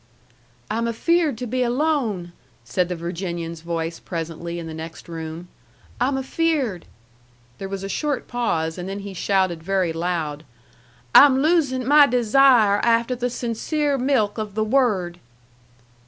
"I'm afeared to be alone!" said the Virginian's voice presently in the next room. "I'm afeared." There was a short pause, and then he shouted very loud, "I'm losin' my desire afteh the sincere milk of the Word!"